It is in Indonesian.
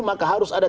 maka harus ada